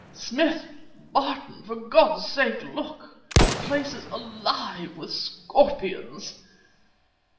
"Smith! Barton! for God's sake, look! The place is alive with scorpions!"